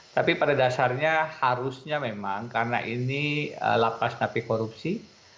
tapi pada dasarnya harusnya memang karena ini lapas napi korupsi